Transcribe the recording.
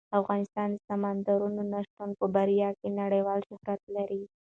افغانستان د سمندر نه شتون په برخه کې نړیوال شهرت لري.